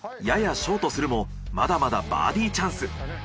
ややショートするもまだまだバーディチャンス。